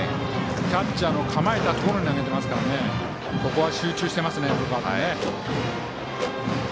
キャッチャーの構えたところに投げてますからここは集中していますね。